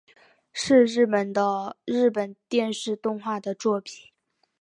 是日本的日本电视动画的作品。